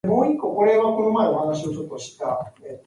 He died at Poole Hall in Poole, Cheshire.